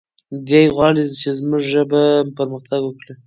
دی غواړي چې زموږ ژبه پرمختګ وکړي.